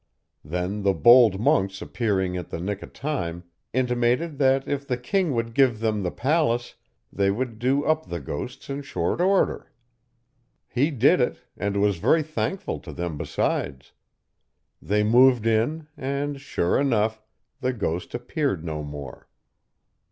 Then the bold monks appearing at the nick of time, intimated that if the King would give them the palace, they would do up the ghost in short order. He did it, and was very thankful to them besides. They moved in, and sure enough, the ghost appeared no more.